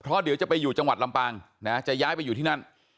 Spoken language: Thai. เพราะเดี๋ยวจะไปอยู่จังหวัดลำปางนะจะย้ายไปอยู่ที่นั่น